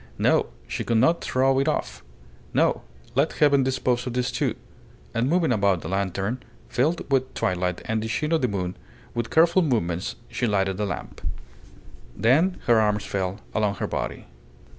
No; she could not throw it off. No; let Heaven dispose of these two. And moving about the lantern, filled with twilight and the sheen of the moon, with careful movements she lighted the lamp. Then her arms fell along her body.